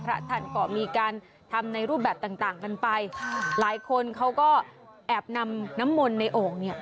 พระท่านก็มีการทำในรูปแบบต่างต่างกันไปค่ะหลายคนเขาก็แอบนำน้ำมนต์ในโอ่งเนี่ย